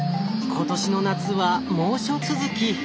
今年の夏は猛暑続き。